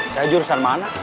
saya diurusan mana